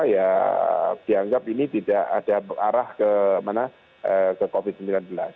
ya dianggap ini tidak ada arah ke covid sembilan belas